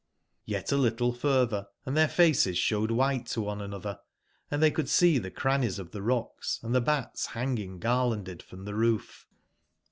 Y^t a little furtber,& their faces showed white to one another, & they could see tbe crannies of the rocks, and tbe bats banging gar landed from tbe roof.